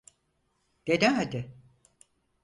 Dene hadi.